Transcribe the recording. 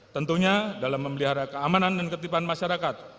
tentunya dalam memelihara keamanan dan ketipan masyarakat